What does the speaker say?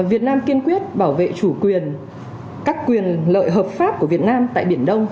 việt nam kiên quyết bảo vệ chủ quyền các quyền lợi hợp pháp của việt nam tại biển đông